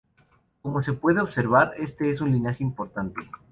Como se puede observar, este es un linaje importante.